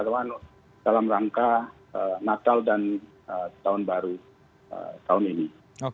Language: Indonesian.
terutama dalam rangka natal dan tahun baru tahun ini